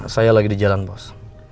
saya lagi di jalan bos